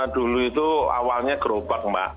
dulu itu awalnya gerobak mbak